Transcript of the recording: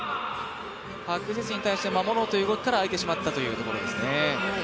パク・ジスに対して守ろうという動きから空いてしまったということですね。